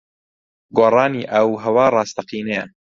گۆڕانی ئاووھەوا ڕاستەقینەیە.